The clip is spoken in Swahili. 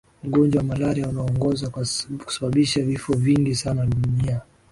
ugonjwa wa malaria unaoongoza kwa kusababisha vifo vingi sana dunia